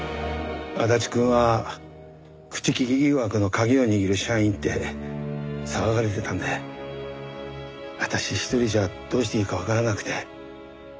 足立くんは口利き疑惑の鍵を握る社員って騒がれてたんであたし一人じゃどうしていいかわからなくて。